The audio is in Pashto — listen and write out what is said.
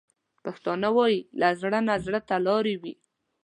پښتانه وايي: له زړه نه زړه ته لارې وي.